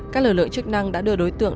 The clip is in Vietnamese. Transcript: các lực lượng chức năng đã đưa đối tượng